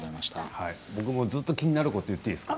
僕もずっと気になること言っていいですか？